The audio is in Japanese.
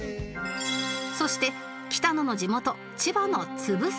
そして北野の地元千葉の粒すけは